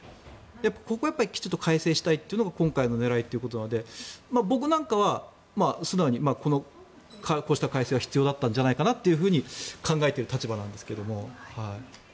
ここはきちんと改正したいというのが今回の狙いということなので僕なんかは素直にこうした改正は必要だったんじゃないかと考えている立場なんですけども。